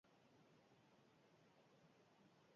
Apaiztu edo ez, zalantzan egon zen, nonbait.